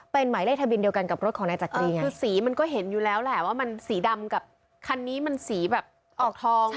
เป็นหมายเลขทะเบียนเดียวกันกับรถของนายจักรีไงคือสีมันก็เห็นอยู่แล้วแหละว่ามันสีดำกับคันนี้มันสีแบบออกทอง